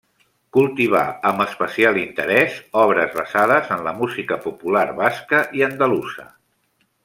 Cultivà amb especial interès obres basades en la música popular basca i andalusa.